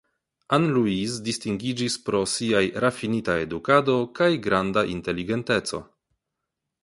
Anne Louise distingiĝis pro siaj rafinita edukado kaj granda inteligenteco.